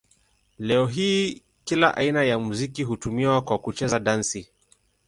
Leo hii kila aina ya muziki hutumiwa kwa kucheza dansi.